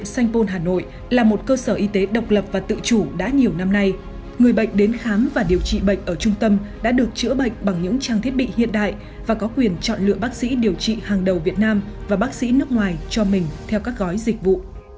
sanh pôn hà nội là một cơ sở y tế độc lập và tự chủ đã nhiều năm nay người bệnh đến khám và điều trị bệnh ở trung tâm đã được chữa bệnh bằng những trang thiết bị hiện đại và có quyền chọn lựa bác sĩ điều trị hàng đầu việt nam và bác sĩ nước ngoài cho mình theo các gói dịch vụ